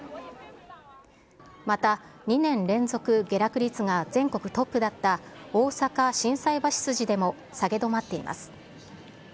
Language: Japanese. また２年連続下落率が全国トップだった大阪・心斎橋筋でも下げ止まっています。